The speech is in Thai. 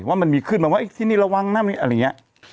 ว่ามันมีขึ้นที่นี่ระวังนะอะไรอย่างเงี้ย